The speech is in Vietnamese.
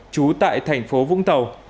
trú tại thành phố vũng tàu